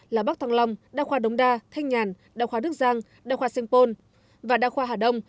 là bắc thăng long đa khoa đống đa thanh nhàn đa khoa đức giang đa khoa sanh pôn và đa khoa hà đông